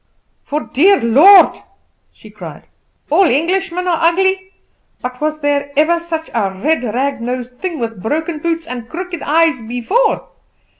"For, dear Lord!" she cried; "all Englishmen are ugly; but was there ever such a red rag nosed thing with broken boots and crooked eyes before?